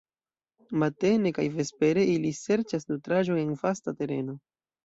Matene kaj vespere ili serĉas nutraĵon en vasta tereno.